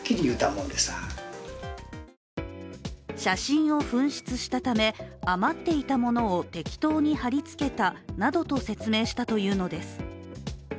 写真を紛失したため、余っていたものを適当に貼り付けたなどと説明したというのです。